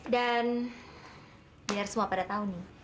dan biar semua pada tau nih